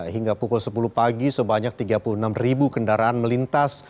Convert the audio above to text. hingga pukul sepuluh pagi sebanyak tiga puluh enam ribu kendaraan melintas